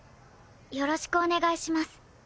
よろしくお願いします。